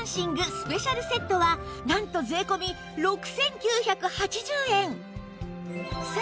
スペシャルセットはなんと税込６９８０円！